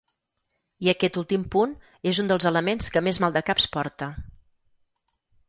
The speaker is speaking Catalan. I aquest últim punt és un dels elements que més maldecaps porta.